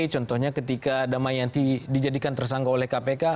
contohnya ketika damayanti dijadikan tersangka oleh kpk